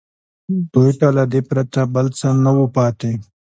دوی ته له دې پرته بل څه نه وو پاتې